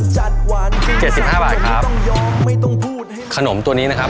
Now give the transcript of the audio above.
เจ็ดสิบห้าบาทครับขนมตัวนี้นะครับ